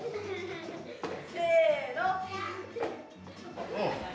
せの！